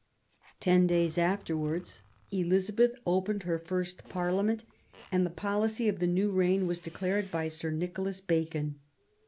Ten days afterwards, Elizabeth opened her first Parliament, and the policy of the new reign was declared by Sir Nicholas Bacon.